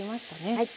はい。